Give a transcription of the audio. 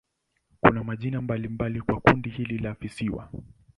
Kuna majina mbalimbali kwa kundi hili la visiwa.